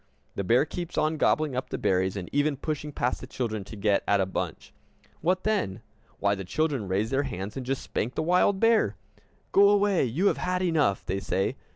The bear keeps on gobbling up the berries, and even pushing past the children to get at a bunch. What then? Why, the children raise their hands, and just spank the wild bear! "Go away, you have had enough!" they say.